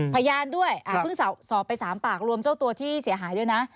พยานด้วยเพิ่งสอบไป๓ปากรวมเจ้าตัวที่เสียหายด้วยนะ